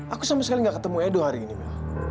aku sama sekali gak ketemu edo hari ini